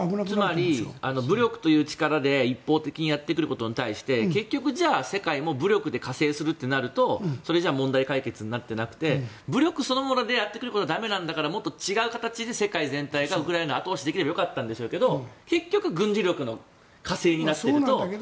つまり、武力という力で一方的にやってくることに対して結局、じゃあ世界も武力で加勢するとなるとそれじゃ問題解決になっていなくて武力そのものでやってくることが駄目なんだからもっと違う形で世界がウクライナを後押しできたらよかったんでしょうけど結局軍事力の加勢になっていると意味がないと。